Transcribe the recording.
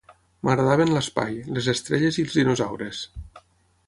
M'agradaven l'espai, les estrelles i els dinosaures.